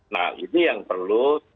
nah ini yang perlu